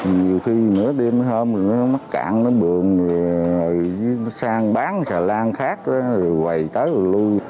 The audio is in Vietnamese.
nhiều khi nửa đêm hôm rồi nó mất cạn nó bường rồi nó sang bán xà lan khác rồi quầy tới rồi lui